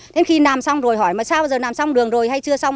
thế khi nằm xong rồi hỏi là sao bây giờ nằm xong đường rồi hay chưa xong